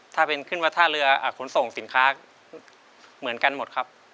ถ้าเป็นขึ้นวัดท่าเรือขนส่งสินค้าเหมือนกันหมดครับ